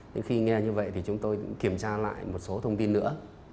nhưng khi nghe như vậy thì chúng tôi cũng kiểm tra lại một số thông tin nữa